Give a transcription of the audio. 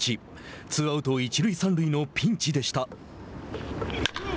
ツーアウト、一塁三塁のピンチでした。